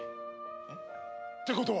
えっ？ってことは。